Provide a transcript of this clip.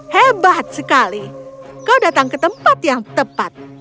hebat sekali kau datang ke tempat yang tepat